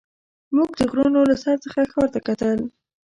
موږ د غرونو له سر څخه ښار ته کتل.